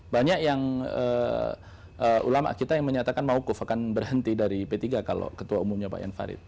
banyak yang ulama kita yang menyatakan mawkuf akan berhenti dari p tiga kalau ketua umumnya pak ian farid